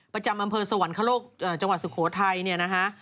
ประจำอำเภอสวรรคโลกจังหวัดสุโขทัยเนี่ยนะฮะ